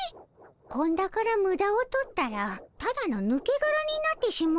本田からムダを取ったらただの抜けがらになってしもうたのじゃ。